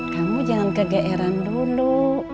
kamu jangan kegeeran dulu